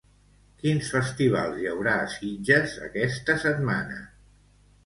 Quins festivals hi haurà a Sitges aquesta setmana?